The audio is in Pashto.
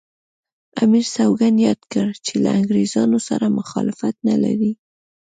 امیر سوګند یاد کړ چې له انګریزانو سره مخالفت نه لري.